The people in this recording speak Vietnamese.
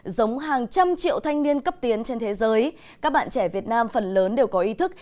giống hàng trăm triệu thanh niên cấp tiến trên thế giới các bạn trẻ việt nam phần lớn đều có ý thức